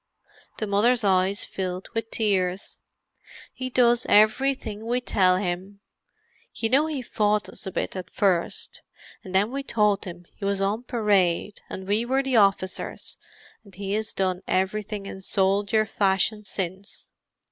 The mother's eyes filled with tears. "He does everything we tell him—you know he fought us a bit at first, and then we told him he was on parade and we were the officers, and he has done everything in soldier fashion since.